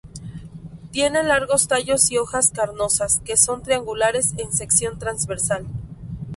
Tiene largos tallos y hojas carnosas, que son triangulares en sección transversal.